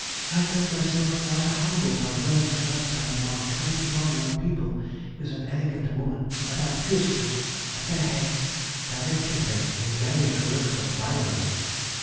I felt myself rather humbled on going the first time among twenty one young people with an elegant woman, Madame Küster, at their head, directing them in various works of finery.